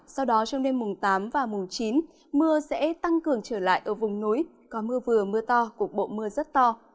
sau đó trong đêm mùng tám và mùng chín mưa sẽ tăng cường trở lại ở vùng núi có mưa vừa mưa to cục bộ mưa rất to